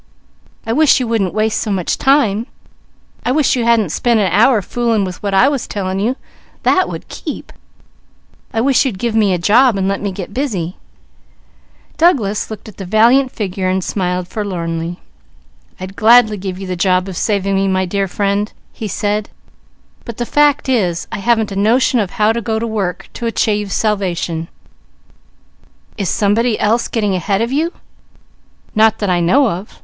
I wish you wouldn't waste so much time! I wish you hadn't spent an hour fooling with what I was telling you; that would keep. I wish you'd give me a job, and let me get busy." Douglas Bruce smiled forlornly. "I'd gladly give you the job of saving me, my dear friend," he said, "but the fact is I haven't a notion of how to go to work to achieve salvation." "Is somebody else getting ahead of you?" "Not that I know of!